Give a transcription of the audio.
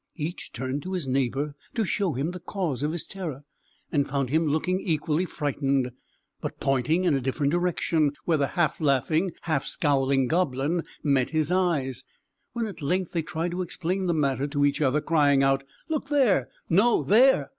Each turned to his neighbour to show him the cause of his terror, and found him looking equally frightened, but pointing in a different direction, where the half laughing, half scowling goblin met his eyes. When at length they tried to explain the matter to each other, crying out, "Look there; no, there!"